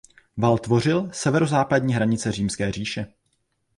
Val tvořil severozápadní hranici Římské říše.